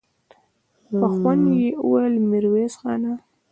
په خوند يې وويل: ميرويس خانه!